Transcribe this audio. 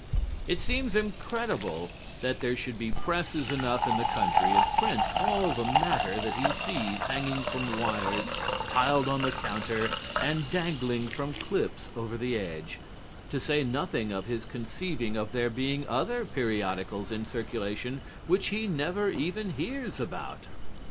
It seems incredible that there should be presses enough in the country to print all the matter that he sees hanging from wires, piled on the counter and dangling from clips over the edge, to say nothing of his conceiving of there being other periodicals in circulation which he never even hears about.